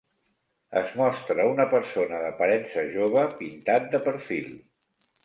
Es mostra una persona d'aparença jove pintat de perfil.